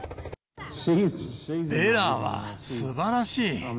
ベラはすばらしい。